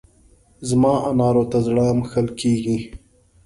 زما انارو ته زړه مښل کېږي.